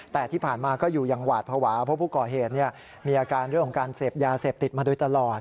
แต่ที่ผ่านมาก็อยู่อย่างหวาดภาวะเพราะผู้ก่อเหตุมีอาการเรื่องของการเสพยาเสพติดมาโดยตลอด